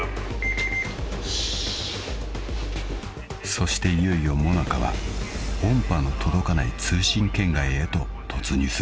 ［そしていよいよＭＯＮＡＣＡは音波の届かない通信圏外へと突入する］